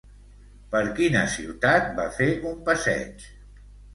Per quina ciutat va fer un passeig?